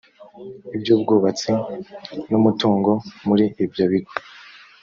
ibyubwubatsi n umutungo muri ibyo bigo